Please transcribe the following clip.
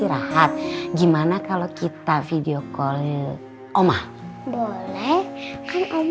istirahat gimana kalau kita video korean omah boleh sama mama iya hmm